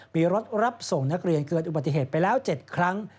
มีรถรับส่งนักเรียนเกิดอุบัติเหตุไปแล้ว๗ครั้ง